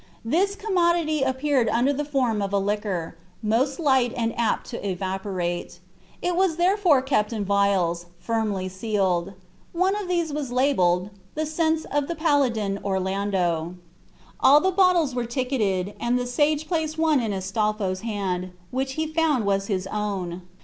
This commodity appeared under the form of a liquor, most light and apt to evaporate. It was therefore kept in vials, firmly sealed. One of these was labelled, "The sense of the Paladin Orlando." All the bottles were ticketed, and the sage placed one in Astolpho's hand, which he found was his own.